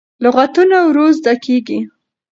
لغتونه ورو زده کېږي.